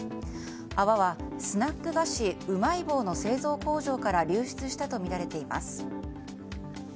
泡は、スナック菓子うまい棒の製造工場から流出したとみられています。